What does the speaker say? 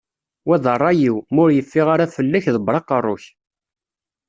Wa d rray-iw, ma ur yeffiɣ ara fell-ak ḍebber aqerru-k.